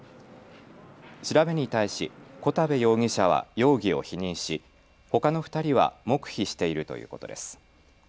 調べに対し小田部容疑者は容疑を否認し、ほかの２人は黙秘しているということです。